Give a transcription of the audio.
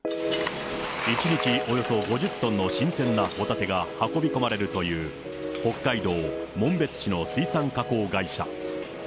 １日およそ５０トンの新鮮なホタテが運び込まれるという、北海道紋別市の水産加工会社。